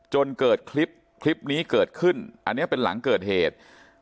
จนเกิดคลิปคลิปนี้เกิดขึ้นอันนี้เป็นหลังเกิดเหตุ